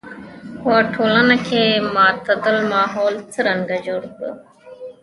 په ټولنه کې معتدل ماحول څرنګه جوړ کړو.